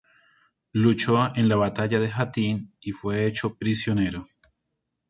Luchó en la batalla de Hattin y fue hecho prisionero.